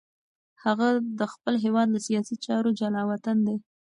هغه د خپل هېواد له سیاسي چارو جلاوطن دی.